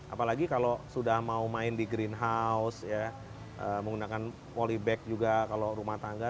apalagi kalau sudah mau main di greenhouse menggunakan polybag juga kalau rumah tangga